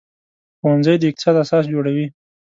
ښوونځی د اقتصاد اساس جوړوي